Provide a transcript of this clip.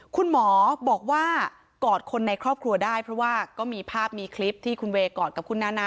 คุณหมอบอกว่ากอดคนในครอบครัวได้เพราะว่าก็มีภาพมีคลิปที่คุณเวย์กอดกับคุณนานา